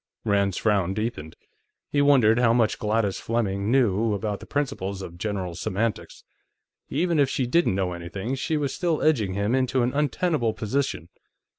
Rand's frown deepened. He wondered how much Gladys Fleming knew about the principles of General Semantics. Even if she didn't know anything, she was still edging him into an untenable position.